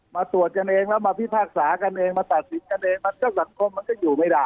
มาตรวจกันเองแล้วมาพิพากษากันเองมาตัดสินกันเองมันก็สังคมมันก็อยู่ไม่ได้